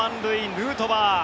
ヌートバー。